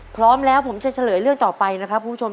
พร้อมแล้วผมจะเฉลยเรื่องต่อไปนะครับคุณผู้ชม